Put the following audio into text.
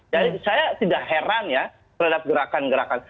jadi saya tidak heran ya terhadap gerakan gerakan